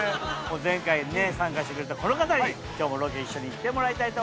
前回参加してくれたこの方に今日もロケ一緒に行ってもらいたいと思います。